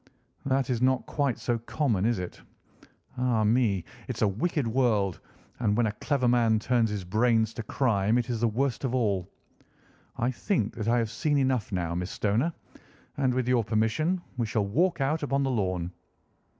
"That is not quite so common, is it? Ah, me! it's a wicked world, and when a clever man turns his brains to crime it is the worst of all. I think that I have seen enough now, Miss Stoner, and with your permission we shall walk out upon the lawn."